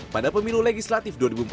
pada pemilu legislatif dua ribu empat belas